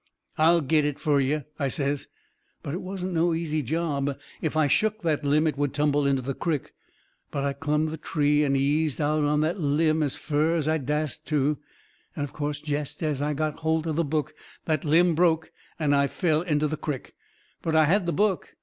"I'll get it fur you," I says. But it wasn't no easy job. If I shook that limb it would tumble into the crick. But I clumb the tree and eased out on that limb as fur as I dast to. And, of course, jest as I got holt of the book, that limb broke and I fell into the crick. But I had the book.